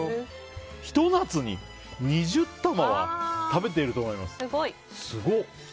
ひと夏に２０玉は食べていると思います。